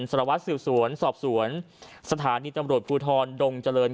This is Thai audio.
สารวัตรสืบสวนสอบสวนสถานีตำรวจภูทรดงเจริญ